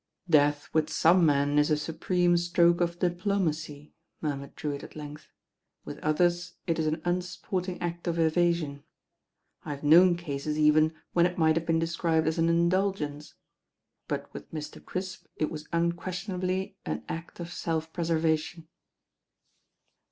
"Death with some men is a supreme stroke of diplomacy," murmured Drewitt at length, "with others it is an unsporting act of evasion. I have known cases even when it might have been described as an indulgence; but with Mr. Crisp it was un questionably an act of self preservation."